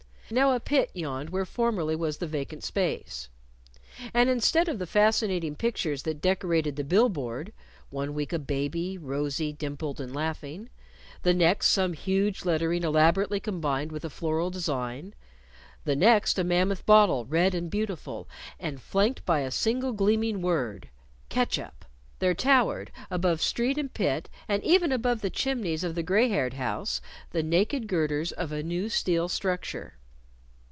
Now a pit yawned where formerly was the vacant space. And instead of the fascinating pictures that decorated the bill board (one week a baby, rosy, dimpled and laughing; the next some huge lettering elaborately combined with a floral design; the next a mammoth bottle, red and beautiful, and flanked by a single gleaming word: "Catsup") there towered above street and pit, and even above the chimneys of the gray haired house the naked girders of a new steel structure.